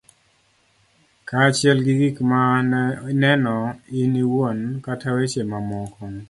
kaachiel gi gik ma ne ineno in iwuon kata weche mamoko